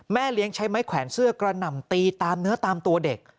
เลี้ยงใช้ไม้แขวนเสื้อกระหน่ำตีตามเนื้อตามตัวเด็ก